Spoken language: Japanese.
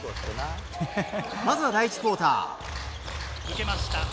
まずは第１クオーター。